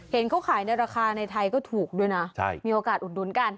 เห็นเขาขายในราคาในไทยก็ถูกด้วยนะมีโอกาสอุดหนุนกัน